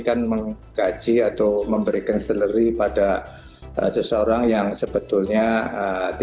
ya karena kami kan menggaji atau memberikan seleri pada seseorang yang sebetulnya tidak kompetitif